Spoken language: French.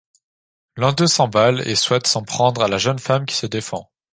L'un d'eux s'emballe et souhaite s'en prendre à la jeune femme qui se défend.